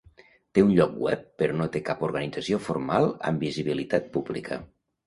Té un lloc web però no té cap organització formal amb visibilitat pública.